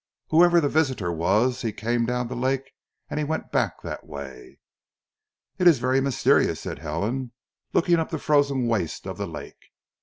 Whoever the visitor was he came down the lake and he went back that way." "It is very mysterious," said Helen, looking up the frozen waste of the lake.